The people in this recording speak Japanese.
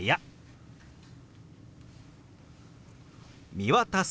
「見渡す」。